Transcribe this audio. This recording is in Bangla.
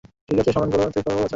ঠিক আছে, সামনে থেকে সরো, বাছা।